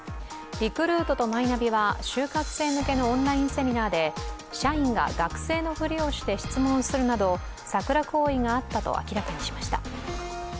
リクルートとマイナビは就活生向けのオンラインセミナーで社員が学生のふりをして質問するなどサクラ行為があったと明らかにしました。